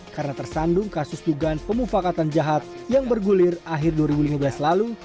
karena tersandung kasus dugaan pemufakatan jahat yang bergulir akhir dua ribu lima belas lalu